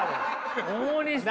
大西さん。